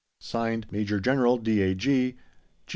(Signed) MAJOR GENERAL, _D.A.G.